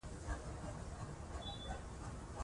د سبا ورځې لپاره باید کار وکړو.